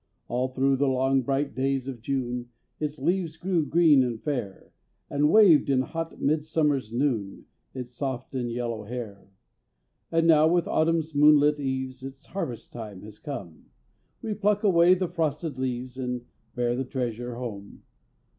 All through the long, bright days of June, Its leaves grew green and fair, And waved in hot midsummer's noon Its soft and yellow hair. And now, with Autumn's moonlit eves, Its harvest time has come, We pluck away the frosted leaves, And bear the treasure home.